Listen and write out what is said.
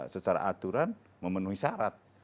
secara aturan memenuhi syarat